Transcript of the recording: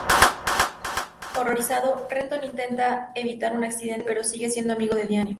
Horrorizado, Renton intenta evitar un incidente, pero sigue siendo amigo de Diane.